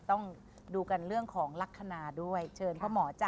ต้องดูกันเรื่องของลักษณะด้วยเชิญพ่อหมอจ้ะ